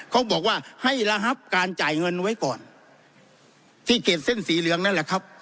เขาบอกว่าให้ระงับการจ่ายเงินไว้ก่อนที่เขตเส้นสีเหลืองนั่นแหละครับ